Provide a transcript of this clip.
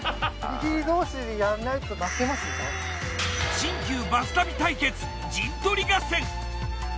新旧バス旅対決陣取り合戦。